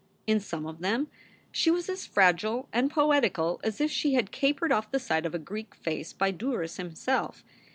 In some of them she was as fragile and poetical as if she had capered off the side of a Greek vase by Douris himself.